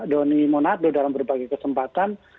seperti dikatakan pak doni monardo dalam berbagai kesempatan